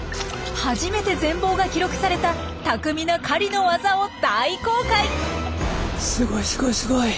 初めて全貌が記録された巧みな狩りの技を大公開！